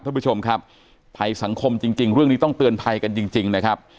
ท่านผู้ชมครับภัยสังคมจริงเรื่องนี้ต้องเตือนภัยกันจริงนะครับ